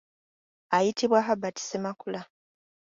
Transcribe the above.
Ayitibwa Herbert Ssemakula .